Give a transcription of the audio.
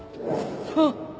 あっ！